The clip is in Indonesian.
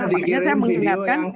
makanya saya mengingatkan